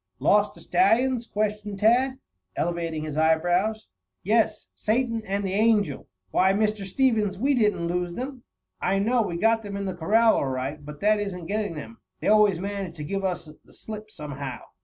"Lost the stallions?" questioned Tad, elevating his eyebrows. "Yes, Satan and the Angel." "Why, Mr. Stevens, we didn't lose them." "I know, we got them in the corral all right, but that isn't getting them. They always manage to give us the slip somehow."